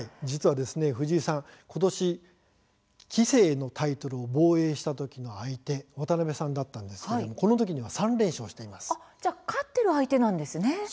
藤井さん実はことし棋聖のタイトルを防衛したときの相手が渡辺さんだったんですけれども、このときは勝っている相手なんですね。